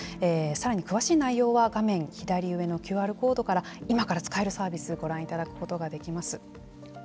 さらに詳しい内容は画面左上のＱＲコードから今から使えるサービスご覧いただくことができます。